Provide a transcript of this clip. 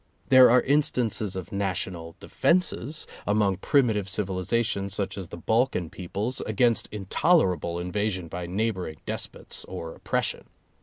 There are instances of national defenses, among primitive civilizations such as the Balkan peoples, against intolerable invasion by neighbor ing despots or oppression.